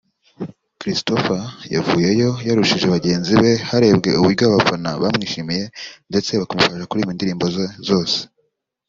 Christopher yavuyeyo yarushije bagenzi be harebwe uburyo abafana bamwishimiye ndetse bakamufasha kuririmba indirimbo ze zose